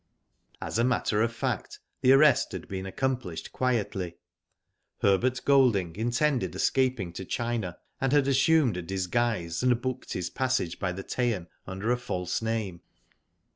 As a matter of fact, the arrest had been accom plished quietly. Herbert Golding intended escaping to China, and Digitized byGoogk AFTER THE VICTORY. 277 had assumed a disguise and booked his passage by the Teian under a false name.